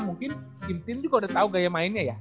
mungkin tim tim juga udah tahu gaya mainnya ya